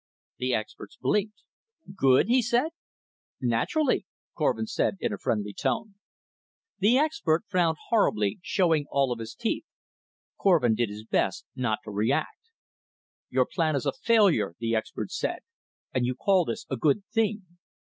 The experts blinked. "Good?" he said. "Naturally," Korvin said in a friendly tone. The expert frowned horribly, showing all of his teeth. Korvin did his best not to react. "Your plan is a failure," the expert said, "and you call this a good thing.